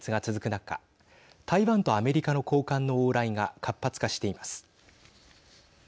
中台湾とアメリカの高官の往来が活発化しています。